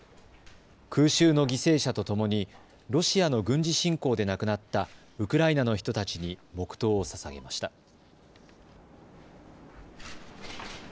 空襲の犠牲者とともにロシアの軍事侵攻で亡くなったウクライナの人たちに黙とうをささげました。